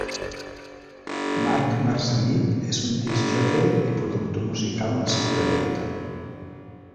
Marc Marzenit és un discjòquei i productor musical nascut a Lleida.